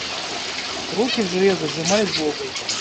Руки в железо сжимались злобой.